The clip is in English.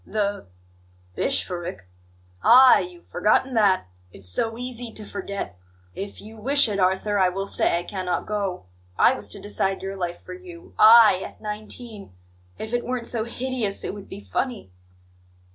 "The bishopric?" "Ah! you've forgotten that? It's so easy to forget! 'If you wish it, Arthur, I will say I cannot go. I was to decide your life for you I, at nineteen! If it weren't so hideous, it would be funny."